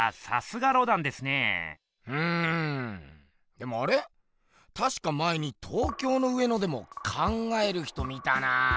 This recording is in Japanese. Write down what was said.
でもあれ⁉たしか前に東京の上野でも「考える人」見たな。